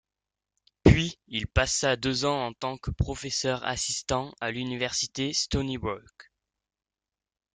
Puis il passa deux ans en tant que professeur assistant à l'université Stony Brook.